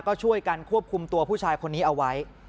ก็ช่วยกันควบคุมตัวผู้ชายคนนี้เอาไว้